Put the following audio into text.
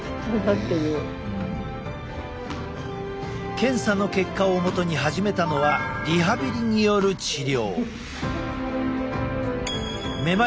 検査の結果をもとに始めたのはリハビリによる治療。